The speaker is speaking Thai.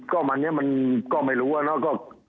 ก็วันนี้มันก็ไม่รู้อะเนาะ